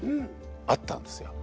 あったんですよ。